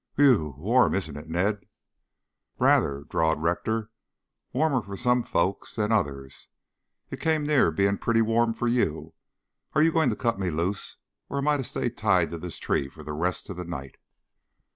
"Whew! Warm, isn't it, Ned?" "Rather," drawled Rector. "Warmer for some folks than others. It came near being pretty warm for you. Are you going to cut me loose, or am I to stay tied to this tree for the rest of the night?"